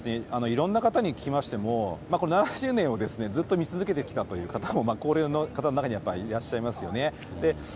いろんな方に聞きましても、７０年をずっと見続けてきたという方も、高齢の方の中にはやっぱりいらっしゃいますよね。